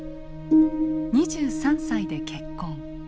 ２３歳で結婚。